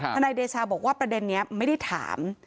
นายเดชาบอกว่าประเด็นนี้ไม่ได้ถาม